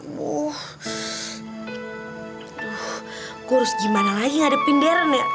gue harus gimana lagi ngadepin deren ya